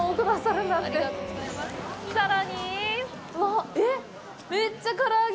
さらに。